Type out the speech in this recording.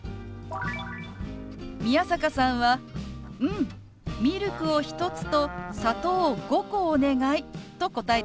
宮坂さんは「うん！ミルクを１つと砂糖を５個お願い」と答えていました。